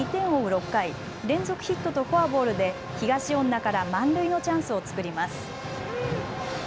６回、連続ヒットとフォアボールで東恩納から満塁のチャンスを作ります。